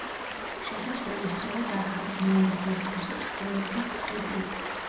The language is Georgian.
შესასვლელი სწორედ, აქ არის, მეორე სართულზე, ჩრდილოეთის მხრიდან.